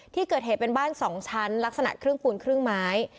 ที่เกิดเหตุเป็นบ้าน๒ชั้นลักษณะครึ่งปูนครึ่งไม้